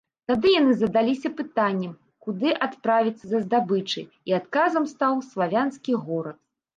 Тады яны задаліся пытаннем, куды адправіцца за здабычай, і адказам стаў славянскі горад.